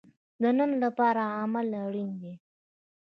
د نن لپاره عمل اړین دی